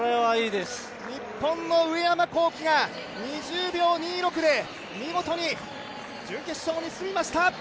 日本の上山紘輝が２０秒２６で見事に準決勝に進みました。